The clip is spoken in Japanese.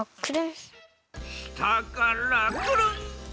したからくるん！